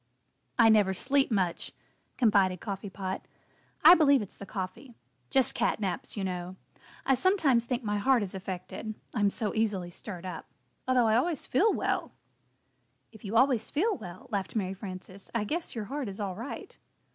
"I never sleep much," confided Coffee Pot. "I believe it's the coffee just 'cat naps,' you know. I sometimes think my heart is affected I'm so easily stirred up, although I always feel well." [Illustration: "I think my heart is affected"] "If you always feel well," laughed Mary Frances, "I guess your heart is all right."